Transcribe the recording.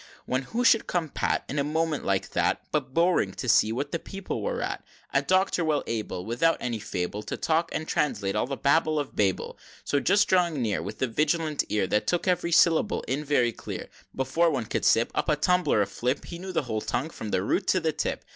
XXX. When who should come pat, In a moment like that, But Bowring, to see what the people were at A Doctor well able, Without any fable, To talk and translate all the babble of Babel. XXXI. So just drawing near, With a vigilant ear, That took ev'ry syllable in, very clear, Before one could sip Up a tumbler of flip, He knew the whole tongue, from the root to the tip!